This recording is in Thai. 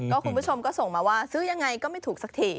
คุณผู้ชมก็ส่งมาว่าซื้อยังไงก็ไม่ถูกสักที